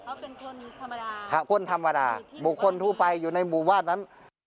เขาเป็นคนธรรมดาค่ะคนธรรมดาบุคคลทั่วไปอยู่ในหมู่บ้านนั้น